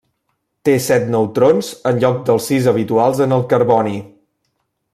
Té set neutrons en lloc dels sis habituals en el carboni.